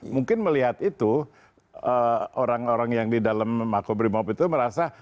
mungkin melihat itu orang orang yang di dalam makobrimob itu merasa